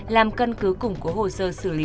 làm cân cứ củng của hồ sơ xử lý